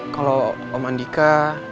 kalau om mandika